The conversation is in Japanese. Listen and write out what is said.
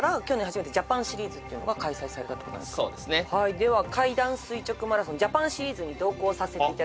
そうですねはいでは階段垂直マラソンジャパンシリーズに同行させていただきましたので